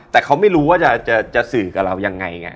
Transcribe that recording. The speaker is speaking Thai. แต่เขาไม่รู้ว่าจะสื่อกับเรายังไงไง